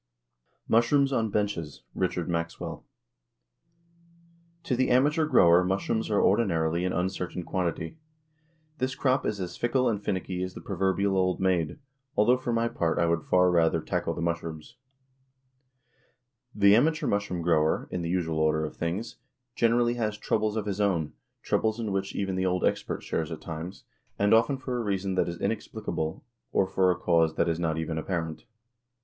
MUSHROOMS ON BENCHES. RICHARD MAXWELL. To the amateur grower mushrooms are ordinarily an uncertain quantity. This crop is as fickle and finicky as the proverbial old maid although, for my part, I would far rather tackle the mushrooms. The amateur mushroom grower, in the usual order of things, generally has "troubles of his own," troubles in which even the old expert shares at times, and often for a reason that is inexplicable, or for a cause that is not even apparent.